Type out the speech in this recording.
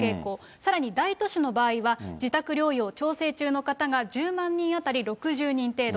さらに大都市の場合は、自宅療養調整中の方が１０万人当たり６０人程度。